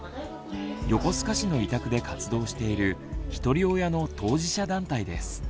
横須賀市の委託で活動しているひとり親の当事者団体です。